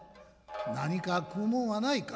何か食うもんはないか？」。